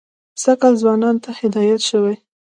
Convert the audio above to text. سږ کال ځوانانو ته هدایت شوی.